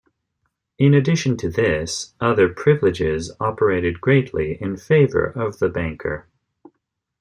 In addition to this, other "privileges" operated greatly in favour of the banker.